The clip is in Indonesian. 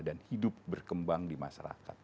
dan hidup berkembang di masyarakat